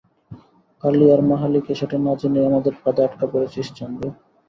কালি আর মাহালি কে, সেটা না জেনেই আমাদের ফাঁদে আটকা পড়েছিস, চান্দু।